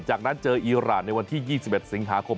จากนั้นเจออีรานในวันที่๒๑สิงหาคม